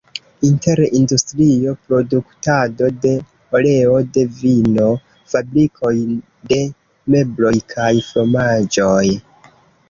Inter industrio, produktado de oleo, de vino, fabrikoj de mebloj kaj fromaĝoj.